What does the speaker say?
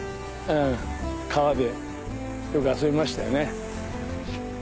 川でよく遊びましたよね。